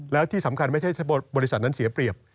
แล้วที่สำคัญไม่ใช่บริษัทนั้นเสียเปรียบ